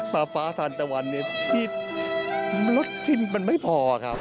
มาฟ้าสันตะวันพี่รถทิ้งมันไม่พอครับ